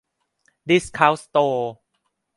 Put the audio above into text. ดิสเคานต์สโตร์